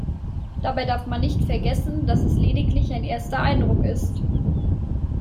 Dabei darf man nicht vergessen, dass es lediglich ein erster Eindruck ist.